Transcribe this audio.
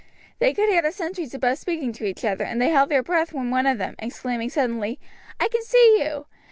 They could hear the sentries above speaking to each other, and they held their breath when one of them, exclaiming suddenly, "I can see you!"